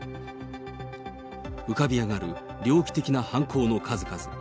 浮かび上がる猟奇的な犯行の数々。